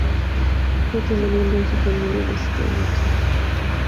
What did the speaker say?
Fue el primer miembro de su familia en asistir a la universidad.